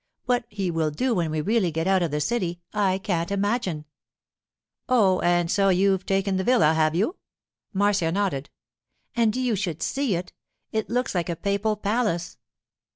What he will do when we really get out of the city, I can't imagine.' 'Oh, and so you've taken the villa, have you?' Marcia nodded. 'And you should see it! It looks like a papal palace.